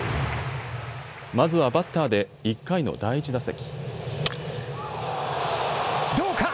まずはバッターで１回の第１打席。